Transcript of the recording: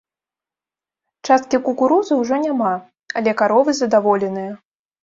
Часткі кукурузы ўжо няма, але каровы задаволеныя.